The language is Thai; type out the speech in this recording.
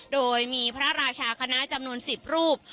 โดยมีพระราชาคณะจำนวน๑๐รูป